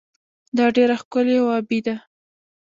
دا ډیره ښکلې او ابي ده.